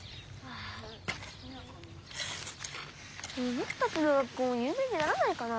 ぼくたちの学校もゆう名にならないかな。